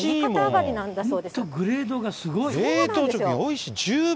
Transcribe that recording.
本当、グレードがすごい。